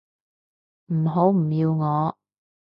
唔好唔要我